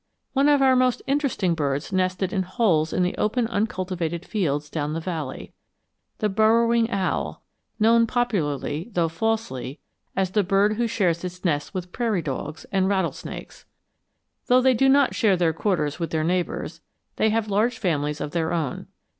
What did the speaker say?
One of our most interesting birds nested in holes in the open uncultivated fields down the valley, the burrowing owl, known popularly, though falsely, as the bird who shares its nest with prairie dogs and rattlesnakes. Though they do not share their quarters with their neighbors, they have large families of their own.